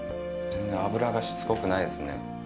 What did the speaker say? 全然、脂がしつこくないですね。